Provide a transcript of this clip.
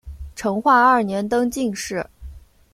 成化二年登进士。